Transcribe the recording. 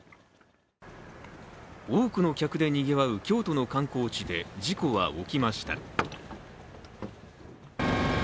多くの客でにぎわう京都の観光地で事故は起きました。